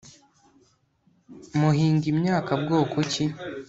Muhinga Imyaka bwoko ki